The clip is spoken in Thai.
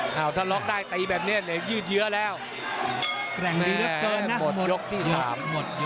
ถ้าล๊อคได้ตีแบบเนี้ยยืดเยอะแล้วแกร่งดีเยอะเกินน่ะหมดยกที่สาม